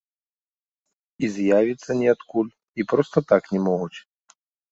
І з'явіцца ніадкуль і проста так не могуць.